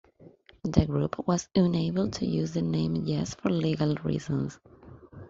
The group was unable to use the name Yes for legal reasons.